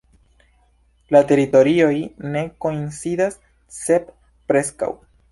La teritorioj ne koincidas, sed preskaŭ.